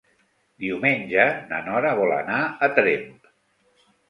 Diumenge na Nora vol anar a Tremp.